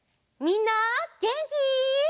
みんなげんき？